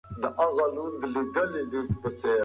آیا ټولنیز نظم د هر چا هيله ده؟